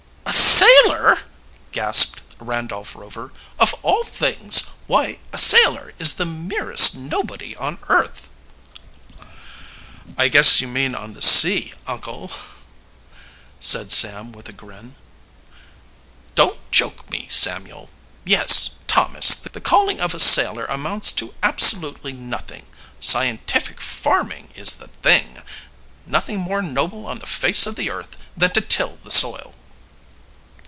"A sailor!" gasped Randolph Rover. "Of all things! Why, a sailor is the merest nobody on earth!" "I guess you mean on the sea, uncle," said Sam with a grin. "Don't joke me, Samuel. Yes, Thomas the calling of a sailor amounts to absolutely nothing. Scientific farming is the thing! Nothing more noble on the face of the earth than to till the soil."